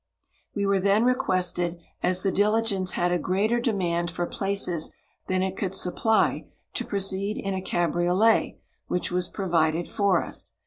We were then requested, as the diligence had a greater demand for places than it could supply, to proceed in a cabriolet which was provided for us.